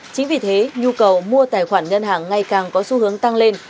chính vì thế nhu cầu mua tài khoản ngân hàng ngày càng có xu hướng tăng lên